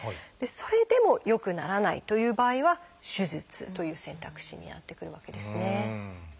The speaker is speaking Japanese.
それでも良くならないという場合は「手術」という選択肢になってくるわけですね。